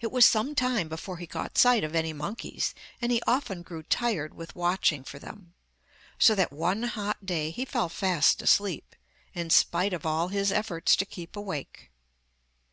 It was some time before he caught sight of any monkeys, and he often grew tired with watching for them, so that one hot day he fell fast asleep, in spite of all his efforts to keep awake.